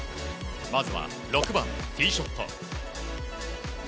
まずは６番、ティーショット。